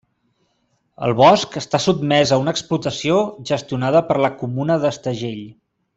El bosc està sotmès a una explotació gestionada per la comuna d'Estagell.